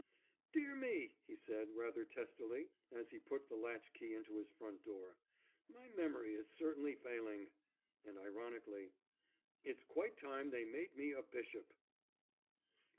"Dear me!" he said, rather testily, as he put the latchkey into his front door, "my memory is certainly failing," and ironically: "It's quite time they made me a bishop."